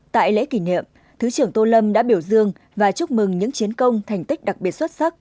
tại lễ kỷ niệm thứ trưởng tô lâm đã biểu dương và chúc mừng những chiến công thành tích đặc biệt xuất sắc